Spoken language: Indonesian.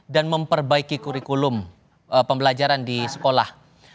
dan memperbaiki kurikulum pembelajaran di sekolah